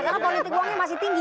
karena politik uangnya masih tinggi